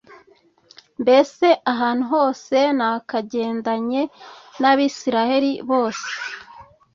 Mbese ahantu hose nakagendanye n’Abisirayeli bose